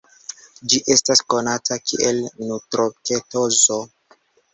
Ĝi estas konata kiel nutroketozo.